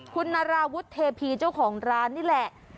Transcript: คุณนาราวุฒิเทพีเจ้าของร้านนี่แหละ